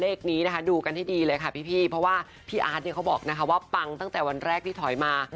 เลขนี้นะคะดูกันให้ดีเลยค่ะพี่เพราะว่าพี่อาร์ตเนี่ยเขาบอกนะคะว่าปังตั้งแต่วันแรกที่ถอยมา